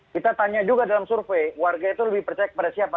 kita tanya juga dalam survei warga itu lebih percaya kepada siapa